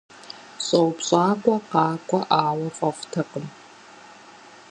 Щӏэупщӏакӏуэ къакӏуэӏауэ фӏэфӏтэкъым.